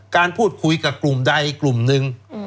การพูดคุยกับกลุ่มใดกลุ่มหนึ่ง